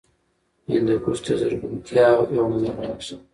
هندوکش د زرغونتیا یوه مهمه نښه ده.